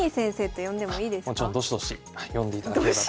あっもちろんどしどし呼んでいただければと思います。